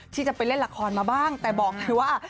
ที่จะไปเล่นละครมาบ้างแต่บอกเลยว่า